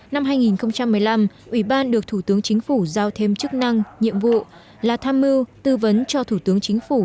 năm hai nghìn một mươi năm ủy ban được thủ tướng chính phủ giao thêm chức năng nhiệm vụ là tham mưu tư vấn cho thủ tướng chính phủ